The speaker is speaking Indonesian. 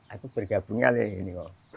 aku bergabung aja ini